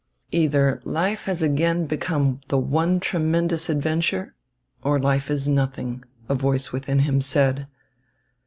"Either life has again become the one tremendous adventure, or life is nothing," a voice within him said.